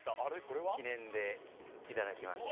記念でいただきました。